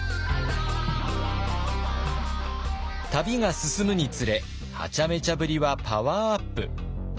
旅が進むにつれはちゃめちゃぶりはパワーアップ。